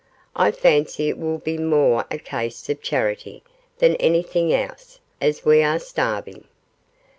'I fancy it will be more a case of charity than anything else, as we are starving.